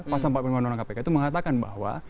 pasal empat puluh lima undang undang kpk itu mengatakan bahwa